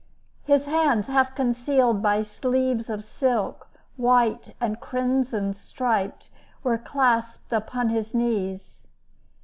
His hands, half concealed by sleeves of silk, white and crimson striped, were clasped upon his knees.